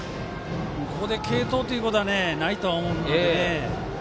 ここで継投ということはないとは思うので。